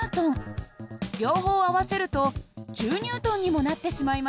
両方合わせると１０Ｎにもなってしまいます。